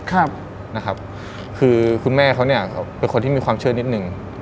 คือคุณแม่เขาเป็นคนที่มีความเชื่อนิดหนึ่ง